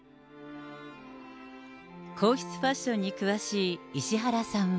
皇室ファッションに詳しい石原さんは。